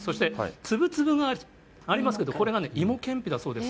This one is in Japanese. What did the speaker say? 粒々がありますけど、これがね、芋けんぴだそうです。